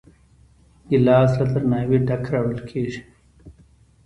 ګیلاس له درناوي ډک راوړل کېږي.